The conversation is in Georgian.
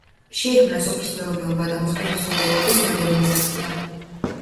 შეიქმნა სოფლის მეურნეობა და მოხდა მეცხოველეობის მოდერნიზაცია.